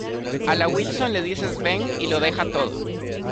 a la Wilson le dices ven y lo deja todo.